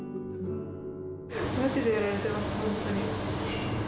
まじでやられてます、本当に。